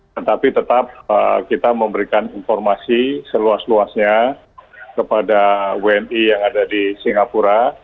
tetapi tetap kita memberikan informasi seluas luasnya kepada wni yang ada di singapura